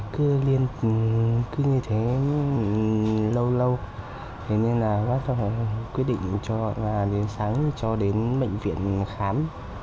cứ như thế lâu lâu thế nên là bác quyết định cho đến sáng cho đến bệnh viện khám